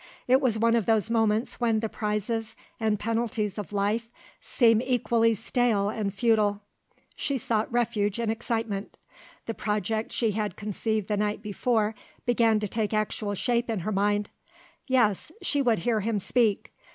It was one of those moments when the prizes and penalties of life seem equally stale and futile. She sought refuge in excitement. The project she had conceived the night before began to take actual shape in her mind; yes, she would hear him speak.